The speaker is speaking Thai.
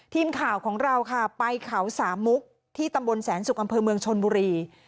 ทีมข่าวของเราค่ะไปเขาสามุกที่ตำบลแสนสุกอำเภอเมืองชนบุรี